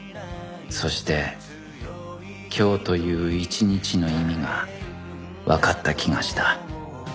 そして今日という一日の意味がわかった気がした